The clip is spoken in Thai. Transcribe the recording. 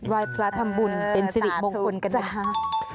วัยพระธรรมบุญเป็นสินิมงคลกันนะคะ